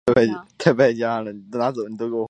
於是就没有摘